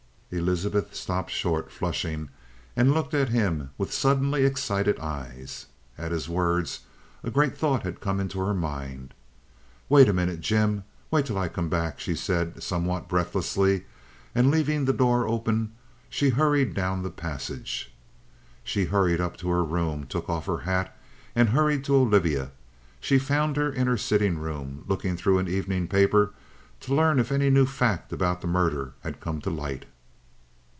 Elizabeth stopped short, flushing, and looked at him with suddenly excited eyes. At his words a great thought had come into her mind. "Wait a minute, Jim. Wait till I come back," she said somewhat breathlessly, and, leaving the door open, she hurried down the passage. She hurried up to her room, took off her hat, and hurried to Olivia. She found her in her sitting room looking through an evening paper to learn if any new fact about the murder had come to light.